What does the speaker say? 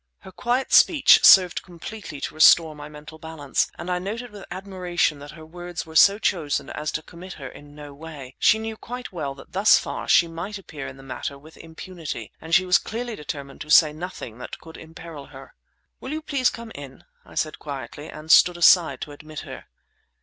Her quiet speech served completely to restore my mental balance, and I noted with admiration that her words were so chosen as to commit her in no way. She knew quite well that thus far she might appear in the matter with impunity, and she clearly was determined to say nothing that could imperil her. "Will you please come in?" I said quietly—and stood aside to admit her.